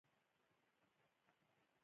زده کړه نجونو ته د قانون حاکمیت ور زده کوي.